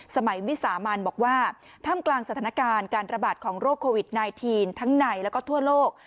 วิสามันบอกว่าท่ามกลางสถานการณ์การระบาดของโรคโควิด๑๙ทั้งในแล้วก็ทั่วโลก